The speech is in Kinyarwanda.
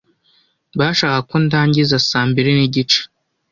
Bashakaga ko ndangiza saa mbiri n'igice.